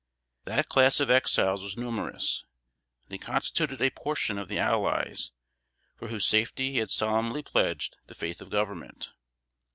That class of Exiles was numerous; they constituted a portion of the "allies" for whose safety he had solemnly pledged the faith of Government.